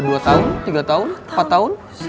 dua tahun tiga tahun empat tahun